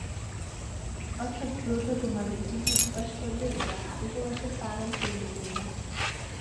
অর্থাৎ ব্রত তোমাদের, কিন্তু উপবাস করবে ওরা, আর উপবাসের পারণ করবে তোমরা।